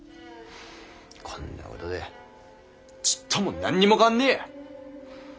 こんなことでちっとも何にも変わんねぇや。